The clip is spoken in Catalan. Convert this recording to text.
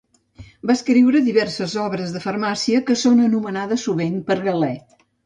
Va escriure diverses obres de farmàcia que són esmentades sovint per Galè.